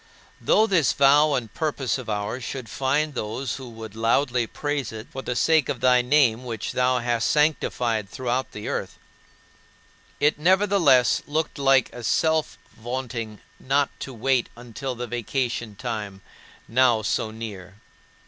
Though this vow and purpose of ours should find those who would loudly praise it for the sake of thy name, which thou hast sanctified throughout the earth it nevertheless looked like a self vaunting not to wait until the vacation time now so near.